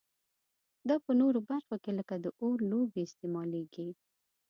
دا په نورو برخو کې لکه د اور لوبې استعمالیږي.